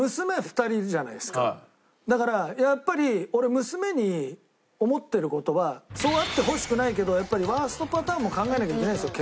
だからやっぱり俺娘に思ってる事はそうあってほしくないけどやっぱりワーストパターンも考えなきゃいけないんですよ